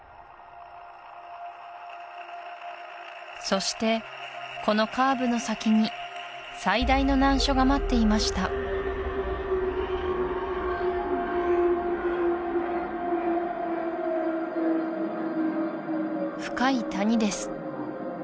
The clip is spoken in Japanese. そしてこのカーブの先に最大の難所が待っていました深い谷です